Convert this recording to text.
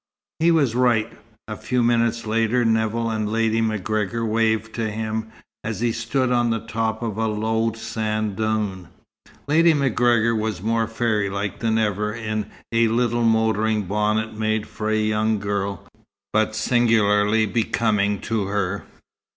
He was right. A few minutes later Nevill and Lady MacGregor waved to him, as he stood on the top of a low sand dune. Lady MacGregor was more fairylike than ever in a little motoring bonnet made for a young girl, but singularly becoming to her.